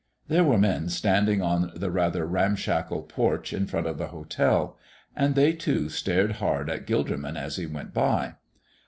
There were men standing on the rather ramshackle porch in front of the hotel, and they, too, stared hard at Gilderman as he went by.